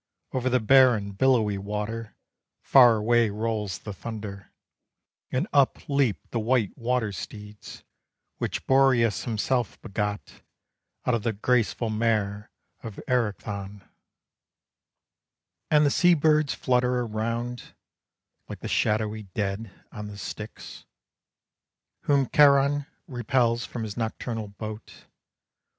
Over the barren, billowy water, Far away rolls the thunder, And up leap the white water steeds, Which Boreas himself begot Out of the graceful mare of Erichthon, And the sea birds flutter around, Like the shadowy dead on the Styx, Whom Charon repels from his nocturnal boat.